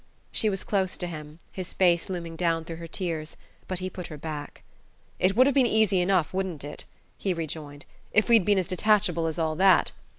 She was close to him, his face looming down through her tears; but he put her back. "It would have been easy enough, wouldn't it," he rejoined, "if we'd been as detachable as all that?